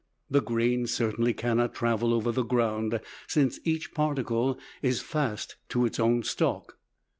The grain certainly cannot travel over the ground, since each particle is fast to its own stalk.